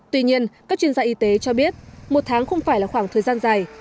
tuy nhiên các chuyên gia y tế cho biết một tháng không phải là khoảng thời gian dài